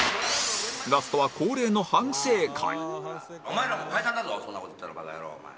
ラストはお前らもう解散だぞそんな事言ったらバカ野郎お前。